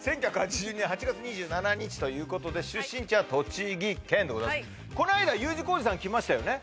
１９８２年８月２７日ということで出身地は栃木県でございますこの間Ｕ字工事さん来ましたよね？